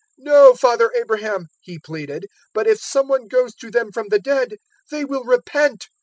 016:030 "`No, father Abraham,' he pleaded; `but if some one goes to them from the dead, they will repent.'